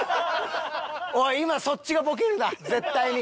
おい今そっちがボケるな絶対に。